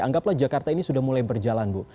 anggaplah jakarta ini sudah mulai berjalan bu